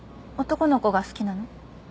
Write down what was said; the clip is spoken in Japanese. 男の子が好きなの？